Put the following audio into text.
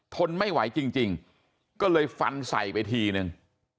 ทนไม่ไหวจริงก็เลยฟันใส่ไปทีนึง